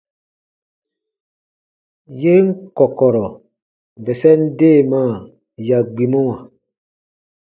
Yen kɔ̀kɔ̀rɔ̀ bɛsɛn deemaa ya gbimɔwa.